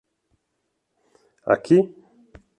Aqui?